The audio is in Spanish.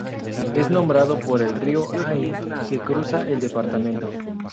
Es nombrado por el río Ain que cruza el departamento.